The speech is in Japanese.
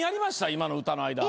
今の歌の間。